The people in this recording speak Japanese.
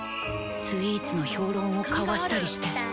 スイーツの評論をかわしたりしてうん深みがある。